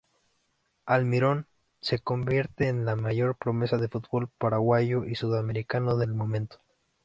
Almirón se convierte en la mayor promesa del futbol paraguayo y sudamericano del momento.